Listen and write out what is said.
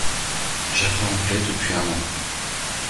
J’apprends l’anglais depuis un mois.